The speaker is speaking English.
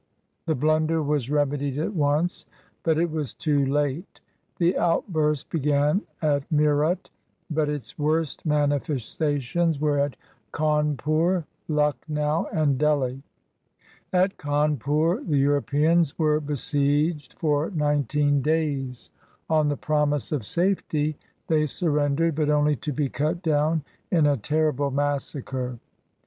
The blunder was remedied at once, but it was too late. The out burst began at Meerut; but its worst manifestations were at Cawnpur, Lucknow, and Delhi. At Cawnpur, the Euro peans were besieged for nineteen days. On the promise of safety, they surrendered, but only to be cut down in a ter rible massacre.